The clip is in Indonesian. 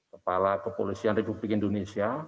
kepala kepolisian republik indonesia